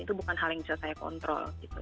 itu bukan hal yang bisa saya kontrol gitu